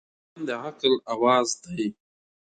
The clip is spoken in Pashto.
قلم د عقل اواز دی